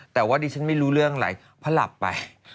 แต่ว่าดิฉันไม่รู้เรื่องอะไรเพราะหลับไป